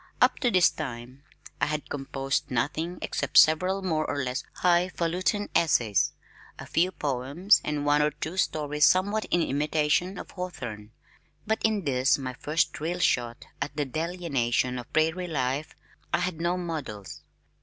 Up to this time I had composed nothing except several more or less high falutin' essays, a few poems and one or two stories somewhat in imitation of Hawthorne, but in this my first real shot at the delineation of prairie life, I had no models.